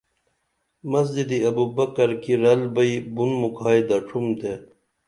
مسجد ابوبکر کی رل بئی بُن مُکھائی دڇُھمتے